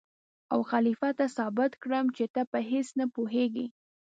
او خلیفه ته ثابت کړم چې ته په هېڅ نه پوهېږې.